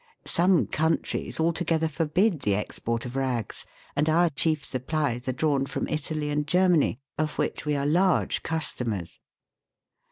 Some countries alto gether forbid the export of rags, and our chief supplies are drawn from Italy and Germany, of which we are large customers.